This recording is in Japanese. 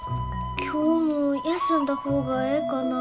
今日も休んだ方がええかな？